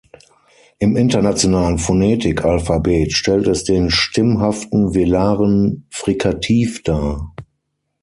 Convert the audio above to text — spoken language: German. Im internationalen Phonetik-Alphabet stellt es den stimmhaften velaren Frikativ dar.